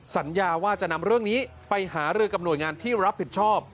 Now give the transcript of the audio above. สัญญาว่าจะนำเรื่องนี้ไปหารือกับหน่วยงานที่รับผิดชอบ